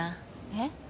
えっ？